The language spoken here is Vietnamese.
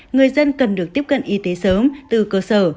người dân cần được tiếp cận y tế sớm từ cơ sở